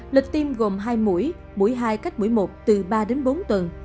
lịch tiêm gồm hai mũi mũi hai cách mũi một từ ba đến bốn tuần